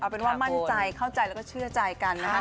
เป็นว่ามั่นใจเข้าใจแล้วก็เชื่อใจกันนะคะ